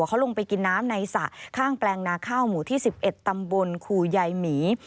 เขาลงไปกินน้ำในสระข้างแปลงนาข้าวหมู่ที่๑๑ตำบลครูยายหมี